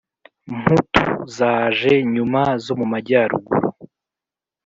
mputu zaje nyuma zo mu majyaruguru